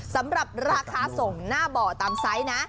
สำหรับราคาส่งหน้าบ่อตามไซส์นะ